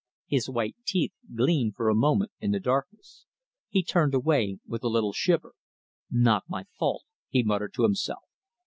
His white teeth gleamed for a moment in the darkness. He turned away with a little shiver. "Not my fault," he muttered to himself.